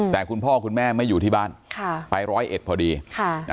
แต่คุณพ่อคุณแม่ไม่อยู่ที่บ้านค่ะไปร้อยเอ็ดพอดีค่ะอ่า